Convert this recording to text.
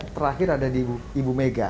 terakhir ada di ibu mega